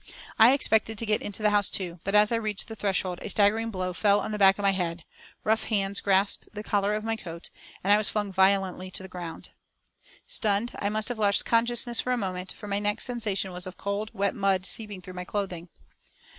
I expected to get into the house, too, but as I reached the threshold a staggering blow fell on the back of my head, rough hands grasped the collar of my coat, and I was flung violently to the ground. Stunned, I must have lost consciousness for a moment, for my next sensation was of cold, wet mud seeping through my clothing.